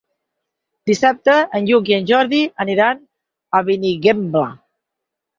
Dissabte en Lluc i en Jordi aniran a Benigembla.